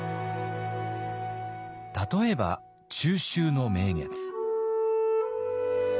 例えば中秋の名月。